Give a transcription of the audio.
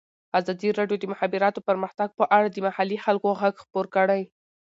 ازادي راډیو د د مخابراتو پرمختګ په اړه د محلي خلکو غږ خپور کړی.